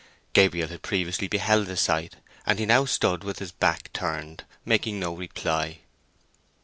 Gabriel had previously beheld the sight, and he now stood with his back turned, making no reply.